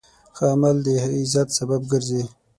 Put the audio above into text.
ښه عمل د عزت سبب ګرځي.